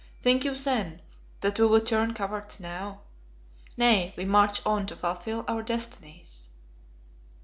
Think you then that we will turn cowards now? Nay, we march on to fulfil our destinies."